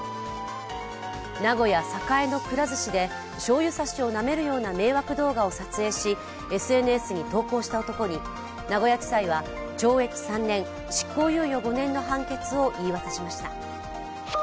名古屋栄のくら寿司で、しょうゆ差しをなめるような迷惑動画を撮影しＳＮＳに投稿した男に名古屋地裁は懲役３年、執行猶予５年の判決を言い渡しました。